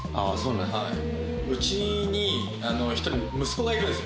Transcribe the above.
はいうちに一人息子がいるんですよ